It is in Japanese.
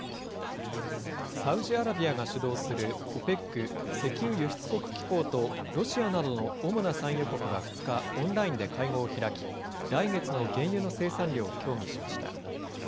サウジアラビアが主導するＯＰＥＣ・石油輸出国機構とロシアなどの主な産油国は２日、オンラインで会合を開き、来月の原油の生産量を協議しました。